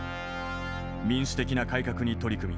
民主的な改革に取り組み